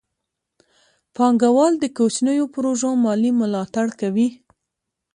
پانګه وال د کوچنیو پروژو مالي ملاتړ کوي.